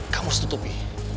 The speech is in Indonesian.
kamu harus tutupi